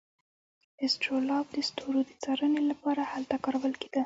اسټرولاب د ستورو د څارنې لپاره هلته کارول کیده.